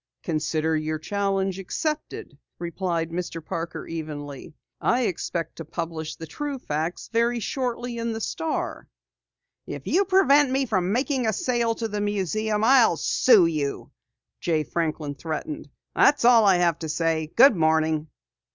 "Consider your challenge accepted," replied Mr. Parker evenly. "I expect to publish the true facts very shortly in the Star." "If you prevent me from making a sale to the museum, I'll sue you!" Jay Franklin threatened. "That's all I have to say. Good morning!"